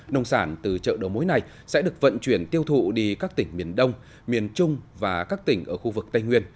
nông sản từ chợ đầu mối này sẽ được vận chuyển tiêu thụ đi các tỉnh miền đông miền trung và các tỉnh ở khu vực tây nguyên